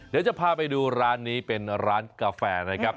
เดี๋ยวจะพาไปดูร้านนี้เป็นร้านกาแฟนะครับ